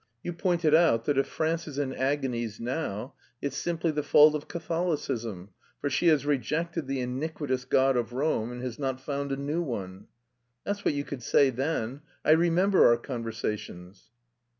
You pointed out that if France is in agonies now it's simply the fault of Catholicism, for she has rejected the iniquitous God of Rome and has not found a new one. That's what you could say then! I remember our conversations."